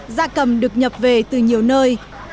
gia cầm được nhập về từ nhiều nơi